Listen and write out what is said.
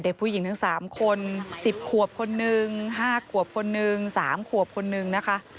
เด็กผู้หญิงทั้ง๓คน๑๐ขวบคนนึง๕ขวบคนนึง๓ขวบคนนึงนะคะ